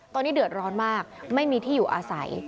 ตอนนี้เดือดร้อนมากไม่มีที่อยู่อาศัย